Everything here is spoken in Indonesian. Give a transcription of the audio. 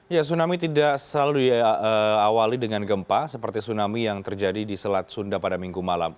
ya tsunami tidak selalu diawali dengan gempa seperti tsunami yang terjadi di selat sunda pada minggu malam